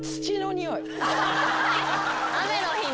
雨の日の？